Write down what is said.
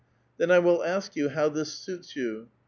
" Then I will ask you how this suits you.